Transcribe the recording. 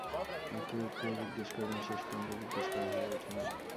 একে-ওকে জিজ্ঞেস করবেন-শেষ পর্যন্ত জিজ্ঞেস করা হয়ে ওঠে না।